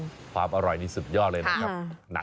ความอร่อยนี่สุดยอดเลยนะครับ